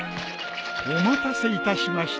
お待たせいたしました。